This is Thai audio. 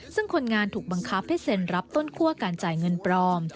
ซึ่งคนงานถูกบังคับให้เซ็นรับต้นคั่วการจ่ายเงินปลอม